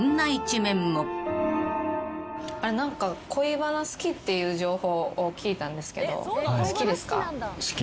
何か恋バナ好きっていう情報を聞いたんですけど好きですか？